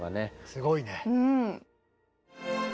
すごいね。